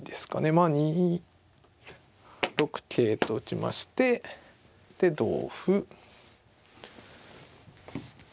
まあ２六桂と打ちましてで同歩。